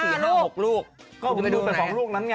ผมก็ต้องดูมะพร้าวสองรูปนั้นสิ